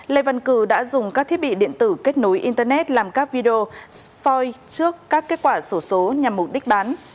lê văn cử đã dùng các thiết bị điện tử kết nối internet làm các video soi trước các kết quả sổ số nhằm mục đích bán